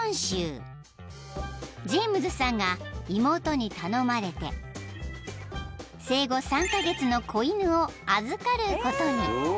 ［ジェームズさんが妹に頼まれて生後３カ月の子犬を預かることに］